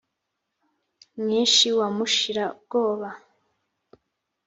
mweshi wa mushira-bwoba